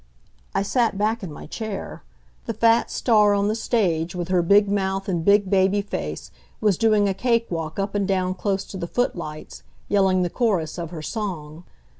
I sat back in my chair. The fat star on the stage, with her big mouth and big baby face, was doing a cake walk up and down close to the footlights, yelling the chorus of her song.